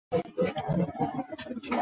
她也成为中国历史上第一位女性律师。